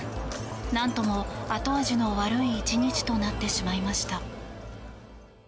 なんとも後味の悪い１日となってしまいました。